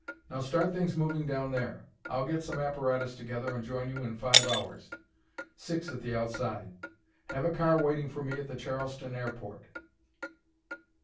Now start things moving down there. I'll get some apparatus together and join you in five hours; six at the outside. Have a car waiting for me at the Charleston airport."